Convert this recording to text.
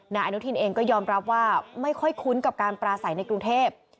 นายอนุทินเองก็ยอมรับว่าไม่ค่อยคุ้นกับการปราศัยในกรุงเทพ